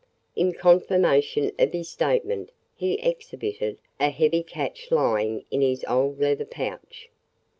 In confirmation of his statement he exhibited a heavy catch lying in his old leather pouch.